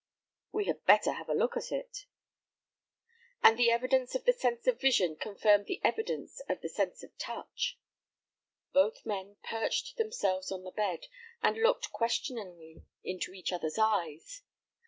"We had better have a look at it." And the evidence of the sense of vision confirmed the evidence of the sense of touch. Both men perched themselves on the bed, and looked questioningly into each other's eyes.